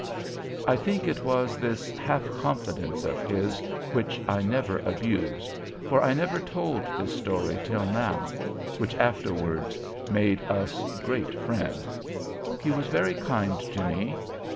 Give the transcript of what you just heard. I think it was this half confidence of his, which I never abused, for I never told this story till now, which afterward made us great friends. He was very kind to me.